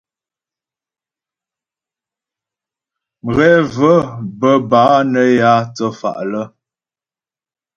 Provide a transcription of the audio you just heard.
Mghɛ və̀ bə́ bâ nə́ yǎ thə́fa' lə́.